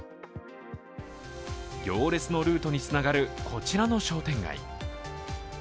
行列のルートにつながるこちらの商店街。